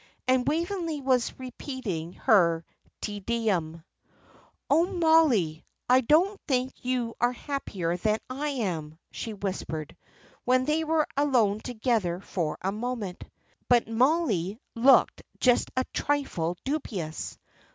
And Waveney was repeating her Te Deum. "Oh, Mollie, I don't think you are happier than I am," she whispered, when they were alone together for a moment. But Mollie looked just a trifle dubious.